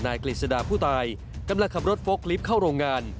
นายกริษดาผู้ตายกำลังขับรถโฟล์คลิปเข้าโรงงาน